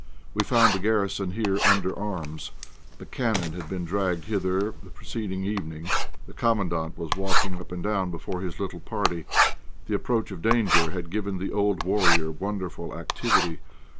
We found the garrison here under arms. The cannon had been dragged hither the preceding evening. The Commandant was walking up and down before his little party; the approach of danger had given the old warrior wonderful activity.